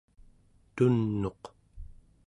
tun'uq